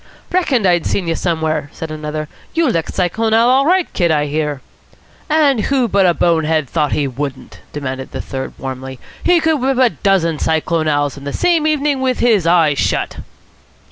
"Reckoned I'd seen you somewhere!" said another. "You licked Cyclone Al. all right, Kid, I hear." "And who but a bone head thought he wouldn't?" demanded the third warmly. "He could whip a dozen Cyclone Al.'s in the same evening with his eyes shut."